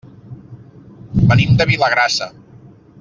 Venim de Vilagrassa.